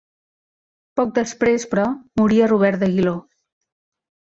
Poc després però, moria Robert d'Aguiló.